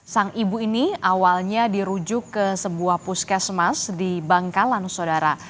sang ibu ini awalnya dirujuk ke sebuah puskesmas di bangkalan saudara